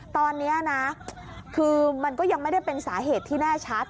ตอนนี้นะคือมันก็ยังไม่ได้เป็นสาเหตุที่แน่ชัด